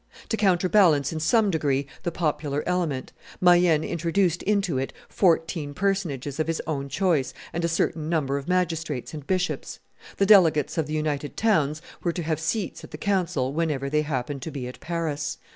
To counterbalance in some degree the popular element, Mayenne introduced into it fourteen personages of his own choice and a certain number of magistrates and bishops; the delegates of the united towns were to have seats at the council whenever they happened to be at Paris.